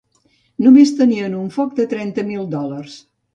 Només tenien un foc de trenta mil dòlars.